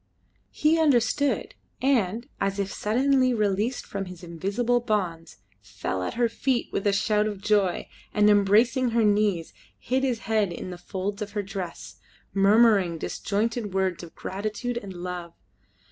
He understood, and, as if suddenly released from his invisible bonds, fell at her feet with a shout of joy, and, embracing her knees, hid his head in the folds of her dress, murmuring disjointed words of gratitude and love.